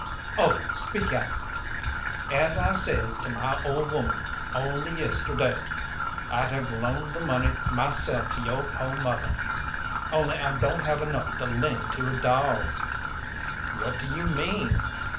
"Oh, speak out!" "As I says to my ole woman only yesterday, I'd have loaned the money myself to yo' poh mother, only I don't have enough to lend to a dawg." "What do you mean?"